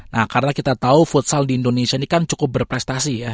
nah karena kita tahu futsal di indonesia ini kan cukup berprestasi ya